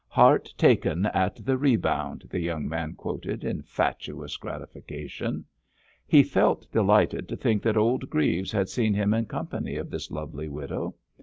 "Heart taken at the rebound," the young man quoted in fatuous gratification. He felt delighted to think that old Greaves had seen him in company of this lovely widow.